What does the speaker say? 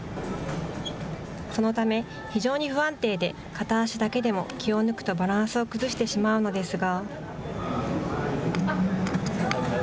そのため、非常に不安定で片足だけでも気を抜くとバランスを崩してしまうのですが。